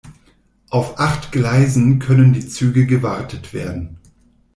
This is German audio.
Auf acht Gleisen können die Züge gewartet werden.